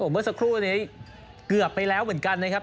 เมื่อสักครู่นี้เกือบไปแล้วเหมือนกันนะครับ